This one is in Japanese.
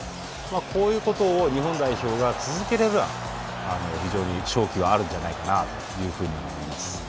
こういうことを日本代表が続けられれば非常に勝機はあるんじゃないかなというふうに思います。